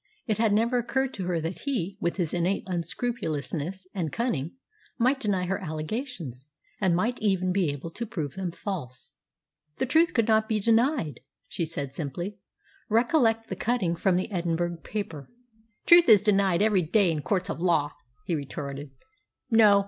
It had never occurred to her that he, with his innate unscrupulousness and cunning, might deny her allegations, and might even be able to prove them false. "The truth could not be denied," she said simply. "Recollect the cutting from the Edinburgh paper." "Truth is denied every day in courts of law," he retorted. "No.